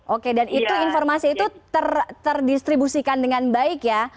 oke dan itu informasi itu terdistribusikan dengan baik ya